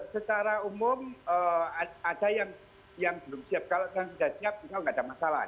secara umum ada yang belum siap kalau yang sudah siap tinggal nggak ada masalah